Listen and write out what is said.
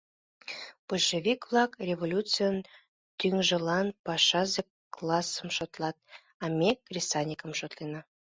Большевик-влак революцийын тӱҥжылан пашазе классым шотлат, а ме кресаньыкым шотлена.